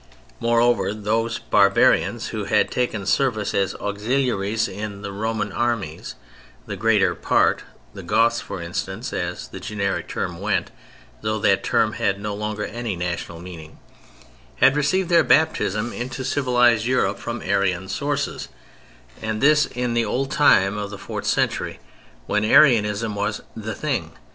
Moreover, of those barbarians who had taken service as auxiliaries in the Roman armies, the greater part (the "Goths," for instance, as the generic term went, though that term had no longer any national meaning) had received their baptism into civilized Europe from Arian sources, and this in the old time of the fourth century when Arianism was "the thing."